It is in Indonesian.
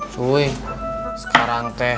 cuy sekarang teh